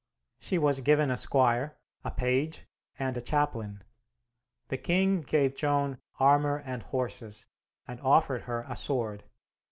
She was given a squire, a page, and a chaplain. The king gave Joan armor and horses, and offered her a sword.